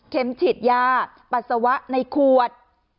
ฉีดยาปัสสาวะในขวด